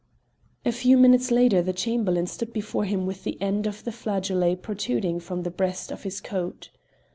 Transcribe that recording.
A few minutes later the Chamberlain stood before him with the end of the flageolet protruding from the breast of his coat.